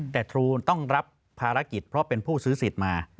แต่ทรูนต้องรับภารกิจเพราะเป็นผู้ซื้อสิทธิ์มา